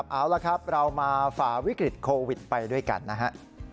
เอาละครับเรามาฝ่าวิกฤตโควิดไปด้วยกันนะฮะ